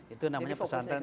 itu namanya pesantren